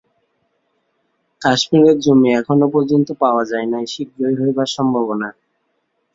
কাশ্মীরের জমি এখনও পর্যন্ত পাওয়া যায় নাই, শীঘ্রই হইবার সম্ভবনা।